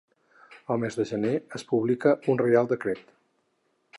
El mes de gener es publica un reial decret.